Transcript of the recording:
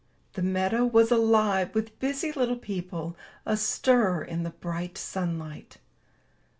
The meadow was alive with busy little people astir in the bright sunlight.